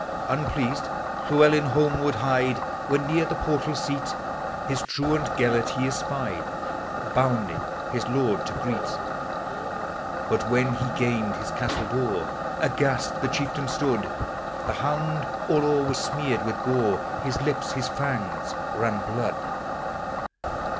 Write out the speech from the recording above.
Unpleased, Llewellyn homeward hied, When, near the portal seal. His truant Gelert he espied. Bounding his lord to greet But, when he gained his castle door. Aghast the chieftain stood ; The hound all o'er was smeared with gOfl His lips, his fangs, ran blood.